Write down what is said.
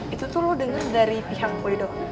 itu tuh lo denger dari pihak boy doang